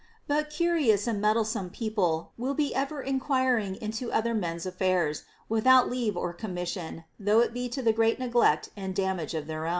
But curious and meddlesome people will be ever enquiring into other men's affairs, with out leave or commission, though it be to the great neglect and damage of their own.